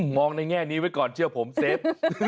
ในแง่นี้ไว้ก่อนเชื่อผมเซฟ